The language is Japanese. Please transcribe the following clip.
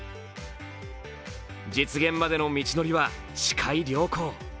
実現までの道のりは視界良好。